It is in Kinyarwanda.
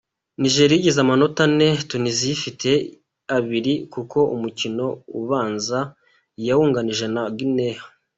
Nigeria igize amanota ane, Tunisia ifite abiri kuko umukino ubanza yawunganyije na Guinea.